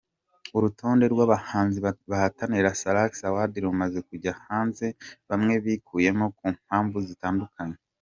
Urutonde rw’abahanzi bahatanira Salax Awards rumaze kujya hanze bamwe bikuyemo ku mpamvu zitandukanye.